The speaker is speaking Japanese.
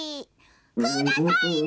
「くださいな」。